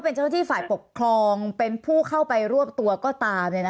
เป็นเจ้าหน้าที่ฝ่ายปกครองเป็นผู้เข้าไปรวบตัวก็ตาม